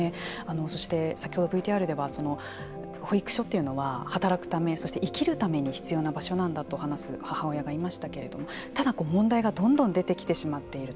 そして、先ほどＶＴＲでは保育所というのは働くため、そして生きるために必要な場所なんだと話す母親がいましたけれどもただ、問題がどんどん出てきてしまっていると。